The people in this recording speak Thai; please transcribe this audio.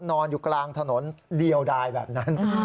นอนอยู่กลางถนนเดียวได้แบบนั้น